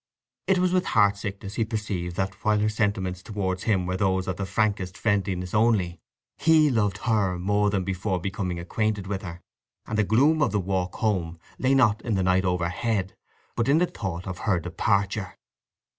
It was with heart sickness he perceived that, while her sentiments towards him were those of the frankest friendliness only, he loved her more than before becoming acquainted with her; and the gloom of the walk home lay not in the night overhead, but in the thought of her departure.